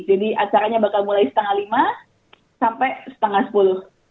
jadi acaranya bakal mulai setengah lima sampai setengah sepuluh